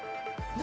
何？